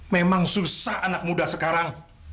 memang susah anak muda sekarang